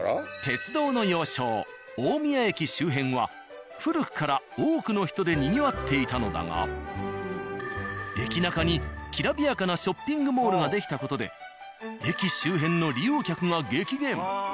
鉄道の要衝大宮駅周辺は古くから多くの人でにぎわっていたのだが駅なかにきらびやかなショッピングモールが出来た事で駅周辺の利用客が激減。